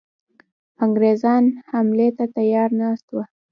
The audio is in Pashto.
انګرېزان حملې ته تیار ناست وه.